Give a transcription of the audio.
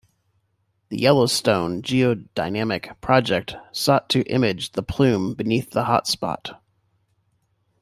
The Yellowstone Geodynamic Project sought to image the plume beneath the hotspot.